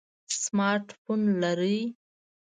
سمارټ فون لرئ؟